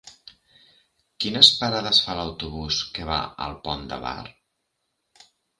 Quines parades fa l'autobús que va al Pont de Bar?